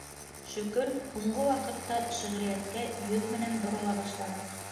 Шөкөр, һуңғы ваҡытта шиғриәткә йөҙ менән борола башланыҡ.